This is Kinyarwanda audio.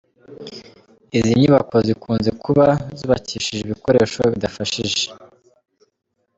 Izi nyubako zikunze kuba zubakishije ibikoresho bidafashije.